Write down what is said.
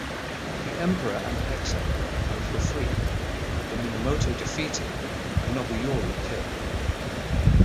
The emperor and ex-emperor both were freed, the Minamoto defeated, and Nobuyori killed.